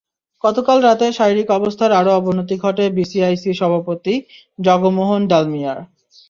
গতকাল রাতে শারীরিক অবস্থার আরও অবনতি ঘটে বিসিসিআই সভাপতি জগমোহন ডালমিয়ার।